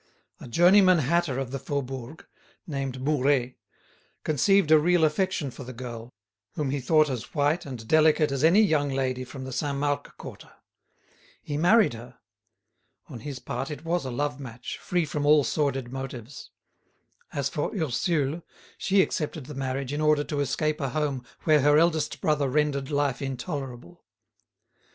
A journeyman hatter of the Faubourg, named Mouret, conceived a real affection for the girl, whom he thought as white and delicate as any young lady from the Saint Marc quarter. He married her. On his part it was a love match, free from all sordid motives. As for Ursule, she accepted the marriage in order to escape a home where her eldest brother rendered life intolerable.